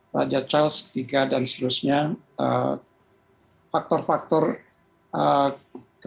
raja charles ketiga dan seterusnya faktor faktor kredibilitas pengganti ini akan menentukan